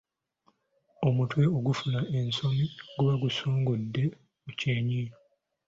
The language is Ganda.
Omutwe okufuna ensomi guba gusongodde mu kyennyi.